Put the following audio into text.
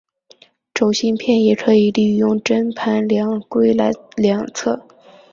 轴心偏移可以利用针盘量规来量测。